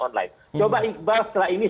online coba iqbal setelah ini